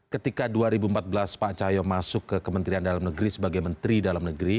ketika dua ribu empat belas pak cahyo masuk ke kementerian dalam negeri sebagai menteri dalam negeri